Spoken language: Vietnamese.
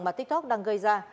mà tiktok đang gây ra